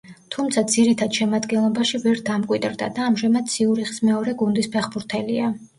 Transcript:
თუმცა ძირითად შემადგენლობაში ვერ დამკვიდრდა და ამჟამად „ციურიხის“ მეორე გუნდის ფეხბურთელია.